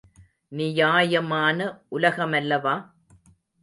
நியாயமான உலக மல்லவா?